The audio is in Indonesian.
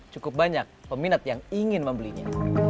cukup banyak peminat yang ingin membelinya